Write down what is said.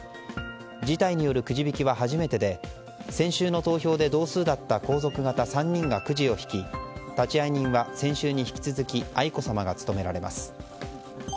辞退によるくじ引きは初めてで先週の投票で同数だった皇族方３人がくじを引き立会人は先週に引き続き愛子さまが務められます。